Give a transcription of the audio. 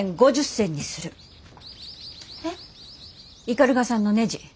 斑鳩さんのねじ。